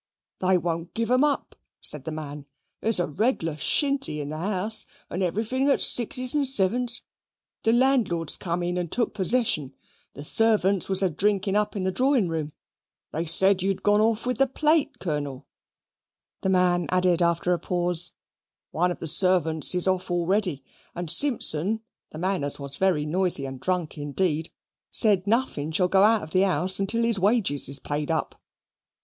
"They won't give 'em up," said the man; "there's a regular shinty in the house, and everything at sixes and sevens. The landlord's come in and took possession. The servants was a drinkin' up in the drawingroom. They said they said you had gone off with the plate, Colonel" the man added after a pause "One of the servants is off already. And Simpson, the man as was very noisy and drunk indeed, says nothing shall go out of the house until his wages is paid up."